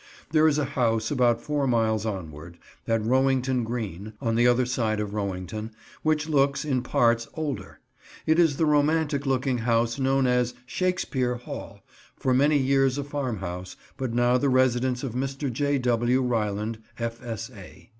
There is a house about four miles onward, at Rowington Green, on the other side of Rowington, which looks, in parts, older. It is the romantic looking house known as "Shakespeare Hall," for many years a farmhouse, but now the residence of Mr. J. W. Ryland, F.S.A.